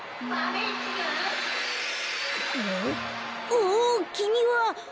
おおきみは！